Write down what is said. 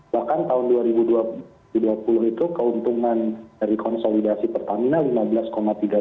bahkan tahun dua ribu dua puluh itu keuntungan dari konsolidasi pertamina